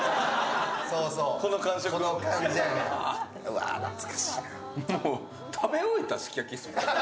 わー、懐かしいな。